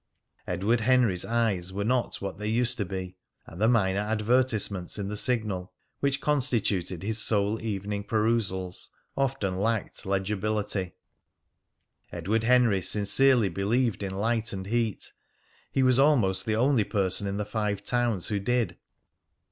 Edward Henry's eyes were not what they used to be; and the minor advertisements in the Signal, which constituted his sole evening perusals, often lacked legibility. Edward Henry sincerely believed in light and heat; he was almost the only person in the Five Towns who did.